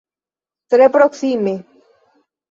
Tre proksime.